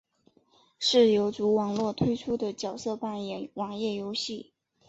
是游族网络推出的角色扮演网页游戏。